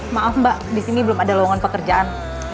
maaf mbak disini belum ada lowongan pekerjaan